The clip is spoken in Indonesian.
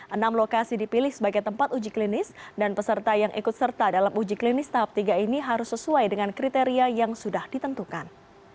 enam lokasi dipilih sebagai tempat uji klinis dan peserta yang ikut serta dalam uji klinis tahap tiga ini harus sesuai dengan kriteria yang sudah ditentukan